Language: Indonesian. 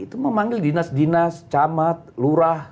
itu memanggil dinas dinas camat lurah